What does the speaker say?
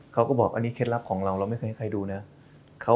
เขาก็บอกอันนี้เคล็ดลับของเราเราไม่เคยให้ใครดูนะ